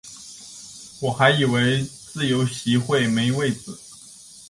我还以为自由席会没位子